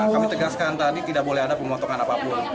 kami tegaskan tadi tidak boleh ada pemotongan apapun